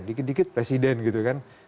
dikit dikit presiden gitu kan